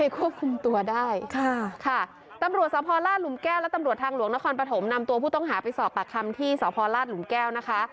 ควบคุมตัวได้ค่ะค่ะตำรวจสพลาดหลุมแก้วและตำรวจทางหลวงนครปฐมนำตัวผู้ต้องหาไปสอบปากคำที่สพลาดหลุมแก้วนะคะ